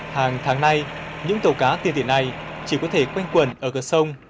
hàng tháng nay những tàu cá tiên tiện này chỉ có thể quen quần ở cờ sông